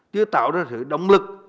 chưa tạo ra sự động lực